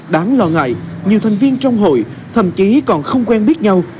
đáng lo ngại nhiều thành viên trong hội thậm chí còn không quen biết nhau